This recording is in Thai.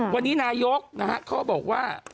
วันนี้นายกนะฮะเขาบอกว่า